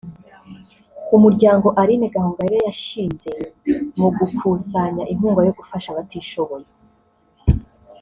Umuryango Aline Gahongayire yashinze mu gukusanya inkunga yo gufasha abatishoboye